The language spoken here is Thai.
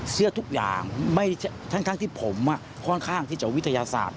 เชื่อทุกอย่างทั้งที่ผมค่อนข้างที่จะวิทยาศาสตร์